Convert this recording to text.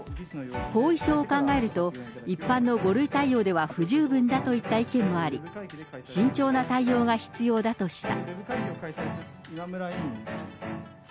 後遺症を考えると、一般の５類対応では不十分だといった意見もあり、慎重な対応が必要だとした。